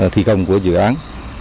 thi công của dự án